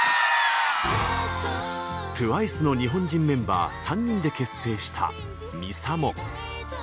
ＴＷＩＣＥの日本人メンバー３人で結成した、ＭＩＳＡＭＯ。